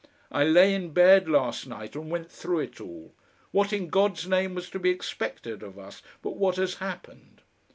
"I lay in bed last night and went through it all. What in God's name was to be expected of us but what has happened?